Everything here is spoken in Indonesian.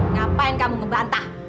ngapain kamu ngebantah